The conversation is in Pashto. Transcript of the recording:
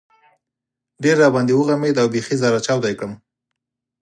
ډېر را باندې وغمېد او بېخي زهره چاودی کړم.